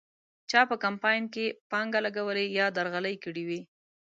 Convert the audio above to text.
چا په کمپاین کې پانګه لګولې یا درغلۍ کړې وې.